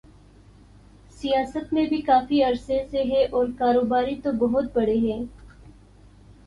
سیاست میں بھی کافی عرصے سے ہیں اور کاروباری تو بہت بڑے ہیں۔